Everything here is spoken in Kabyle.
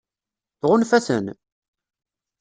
Tɣunfa-ten?